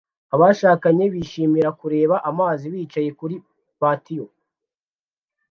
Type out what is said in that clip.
Abashakanye bishimira kureba amazi bicaye kuri patio